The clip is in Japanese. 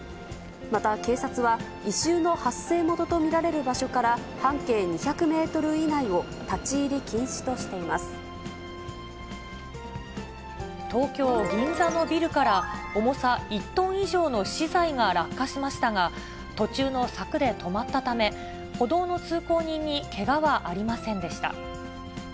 また警察は、異臭の発生元と見られる場所から半径２００メートル以内を立ち入東京・銀座のビルから、重さ１トン以上の資材が落下しましたが、途中の柵で止まったため、歩道の通行人にけがはありませんでした。